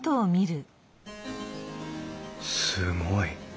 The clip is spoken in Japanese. すごい。